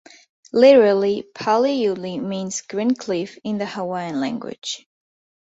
Literally "pali uli" means "green cliff" in the Hawaiian language.